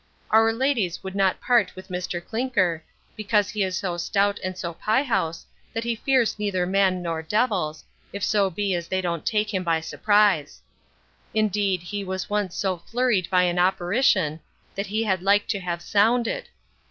Our ladies would not part with Mr Clinker, because he is so stout and so pyehouse, that he fears neither man nor devils, if so be as they don't take him by surprise. Indeed, he was once so flurried by an operition, that he had like to have sounded.